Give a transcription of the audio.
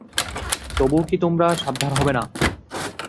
তবুও কি তোমরা সাবধান হবে না।